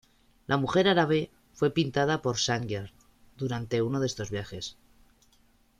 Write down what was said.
La "mujer árabe" fue pintada por Sargent durante uno de estos viajes.